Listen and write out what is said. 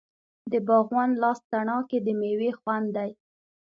د باغوان لاس تڼاکې د میوې خوند دی.